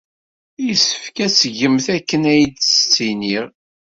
Yessefk ad tgemt akken ay d-ttiniɣ.